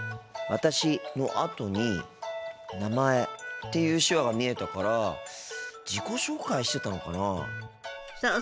「私」のあとに「名前」っていう手話が見えたから自己紹介してたのかなあ。